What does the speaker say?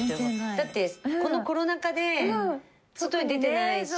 だってこのコロナ禍で外へ出てないし。